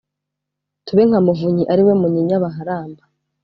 Tube nka Muvunyi ari we Munyinya baharamba